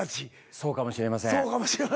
「そうかもしれません」。